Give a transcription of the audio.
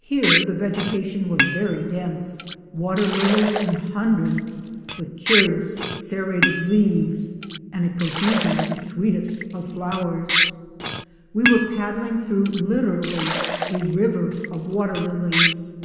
Here the vegetation was very dense, water lilies in hundreds with curious, serrated leaves and a profusion of the sweetest of flowers. We were pad dling through literally a river of water lilies.